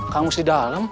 kamu di dalam